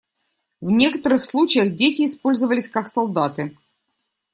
В некоторых случаях дети использовались как солдаты.